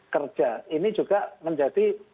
kerja ini juga menjadi